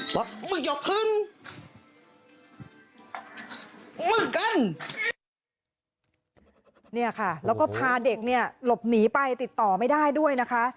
บอกเนี่ยค่ะแล้วก็พาเด็กเนี่ยหลบหนีไปติดต่อไม่ได้ด้วยนะคะ